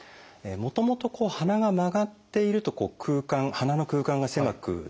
もともと鼻が曲がっていると鼻の空間が狭くなるんですね。